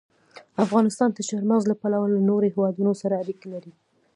افغانستان د چار مغز له پلوه له نورو هېوادونو سره اړیکې لري.